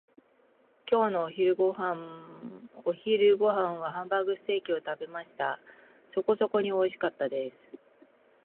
今日のお昼ご飯はハンバーグステーキを食べました。そこそこにおいしかったです。